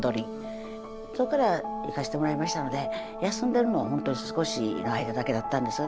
そこからいかしてもらいましたので休んでるのは本当に少しの間だけだったんです。